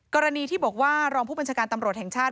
กรณีที่บอกว่ารองผู้บัญชาการตำรวจแห่งชาติ